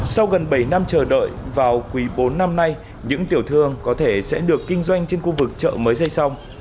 sau gần bảy năm chờ đợi vào quý bốn năm nay những tiểu thương có thể sẽ được kinh doanh trên khu vực chợ mới dây xong